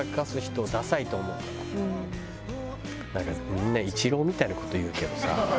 みんなイチローみたいな事言うけどさ。